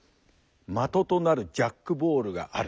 的となるジャックボールがある。